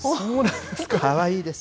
かわいいです。